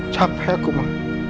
capek aku ma